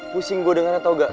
pusing gue dengerin tau gak